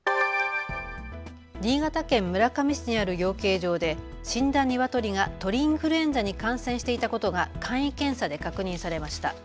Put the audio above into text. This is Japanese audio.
新潟県村上市にある養鶏場で死んだニワトリが鳥インフルエンザに感染していたことが簡易検査で確認されました。